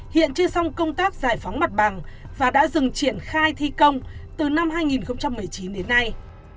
hiện chưa xong công tác giải phóng mặt bằng và đã dừng triển khai thi công từ năm hai nghìn một mươi chín đến nay